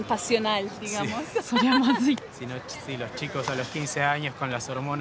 そりゃまずい！